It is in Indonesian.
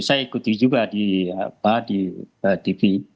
saya ikuti juga di tv